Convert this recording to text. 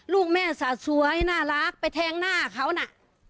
ลูกแม่สะสวยน่ารักไปแทงหน้าเขาน่ะ